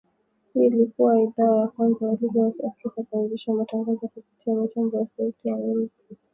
Hii ilikua idhaa ya kwanza ya lugha ya Kiafrika kuanzisha matangazo kupitia mitambo ya Sauti ya Amerika mjini Washington.